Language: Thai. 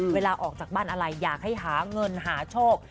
เวลาออกจากบ้านอะไรอยากให้หาเงินหาโชค